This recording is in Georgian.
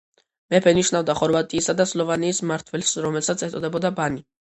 მეფე ნიშნავდა ხორვატიისა და სლავონიის მმართველს რომელსაც ეწოდებოდა ბანი.